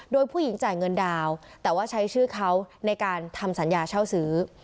โดยผู้หญิงจ่ายเงินดาวแต่ว่าใช้ชื่อเขาในการทำสัญญาเช่าซื้อ